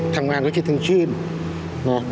ทางบ้านก็คิดถึงชื่น